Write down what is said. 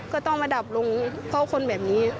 ก็ต้องมาดับลงเพราะคนแบบนี้